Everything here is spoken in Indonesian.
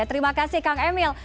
terima kasih kang emil